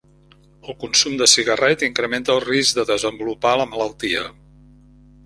El consum de cigarret incrementa el risc de desenvolupar la malaltia.